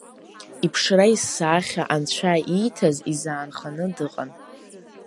Иԥшра исахьа, анцәа ииҭаз, изаанханы дыҟан.